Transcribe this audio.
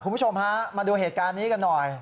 คุณผู้ชมฮะมาดูเหตุการณ์นี้กันหน่อย